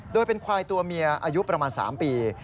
โดยเป็นควายตัวเมียอายุประมาณ๓ปี